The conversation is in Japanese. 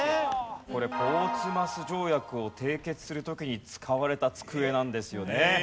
これポーツマス条約を締結する時に使われた机なんですよね。